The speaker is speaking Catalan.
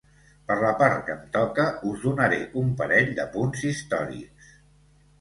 Per la part que em toca, os donaré un parell d’apunts històrics.